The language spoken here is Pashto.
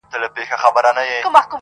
سر کي ښکر شاته لکۍ ورکړه باداره,